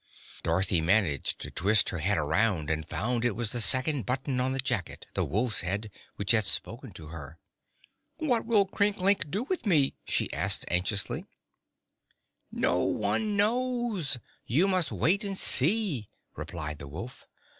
Dorothy managed to twist her head around and found it was the second button on the jacket the wolf's head which had spoken to her. "What will Crinklink do with me?" she asked anxiously. "No one knows. You must wait and see," replied the wolf.